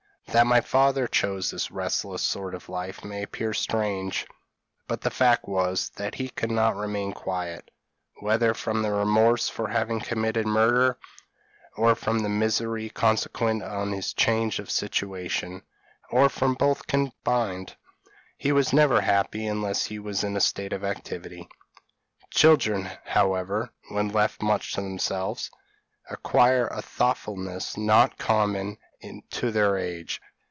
That my father chose this restless sort of life may appear strange, but the fact was, that he could not remain quiet; whether from the remorse for having committed murder, or from the misery consequent on his change of situation, or from both combined, he was never happy unless he was in a state of activity. Children, however, when left much to themselves, acquire a thoughtfulness not common to their age.